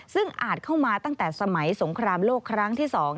ซึ่งอาจเข้ามาตั้งแต่สมัยสงครามโลกครั้งที่๒